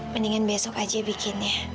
mendingan besok aja bikin ya